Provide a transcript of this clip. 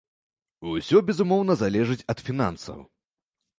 Усё, безумоўна, залежыць ад фінансаў.